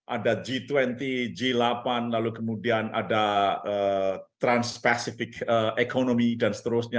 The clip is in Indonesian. ada g dua puluh g delapan lalu kemudian ada trans pacific economy dan seterusnya